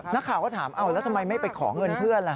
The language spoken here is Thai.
นักข่าวก็ถามแล้วทำไมไม่ไปขอเงินเพื่อนล่ะ